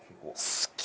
好き？